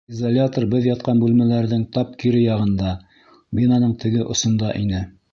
Изолятор беҙ ятҡан бүлмәләрҙең тап кире яғында, бинаның теге осонда ине.